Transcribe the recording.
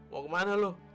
mau kemana lu